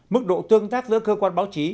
mức độ tương tác giữa cơ quan báo chí